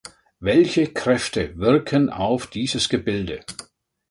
Welche Kräfte wirken auf dieses Gebilde?